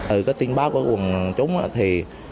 ở các tin báo của quận chúng thì